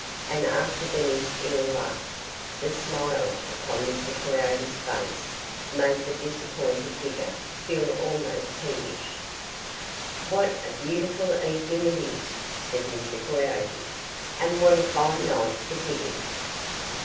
And after Benny's ill luck, the smile upon Mr. Coyote's face made the disappointed digger feel almost peevish. "What a beautiful evening it is!" said Mr. Coyote. "And what a fine night for digging!"